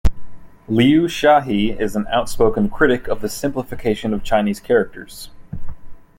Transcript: Liu Shahe is an outspoken critic of the simplification of Chinese characters.